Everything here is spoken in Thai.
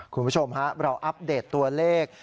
คุณผู้ชมฮะเราอัปเดตตัวเลข